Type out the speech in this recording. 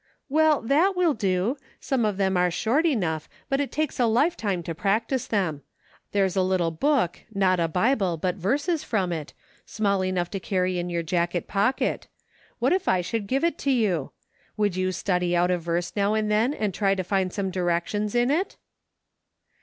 " Well, that will do ; some of them are short enough, but it takes a lifetime to practice them. I do really wish you would try it. There's a little book — not a Bible, but verses from it — small enough to carry in your jacket pocket ; what if I should give it to you .'' Would you study out a verse now and then, and try to find some directions in it.?"